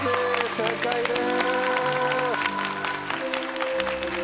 正解です！